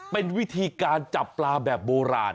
เป็นวิธีการจับปลาแบบโบราณ